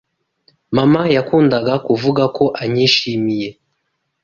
Mama yakundaga kuvuga ko anyishimiye.